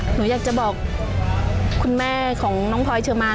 หนูอยากจะบอกคุณแม่ของน้องพลอยเชอร์มาน